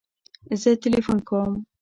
زه تلیفون کوم